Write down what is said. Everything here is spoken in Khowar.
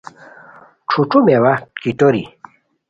ݯھو ݯھو میوہ کیٹوری